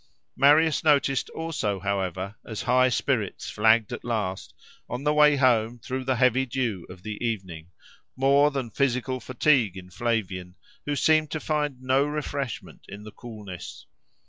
Marius noticed also, however, as high spirits flagged at last, on the way home through the heavy dew of the evening, more than physical fatigue in Flavian, who seemed to find no refreshment in the coolness.